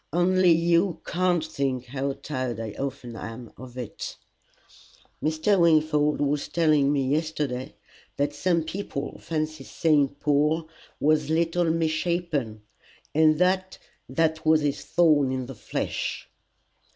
Only you can't think how tired I often am of it." "Mr. Wingfold was telling me yesterday that some people fancy St. Paul was little and misshapen, and that that was his thorn in the flesh."